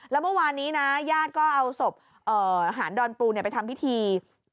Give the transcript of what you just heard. แล้วเมื่อวานนี้นะญาติก็เอาศพหารดอนปูไปทำพิธี